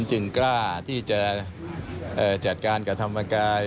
จึงกล้าที่จะจัดการกับธรรมกาย